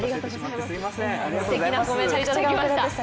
すてきなコメントいただきました。